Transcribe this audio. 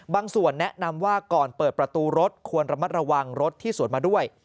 ส่วนแนะนำว่าก่อนเปิดประตูรถควรระมัดระวังรถที่สวนมาด้วย